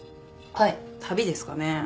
はい旅ですかね。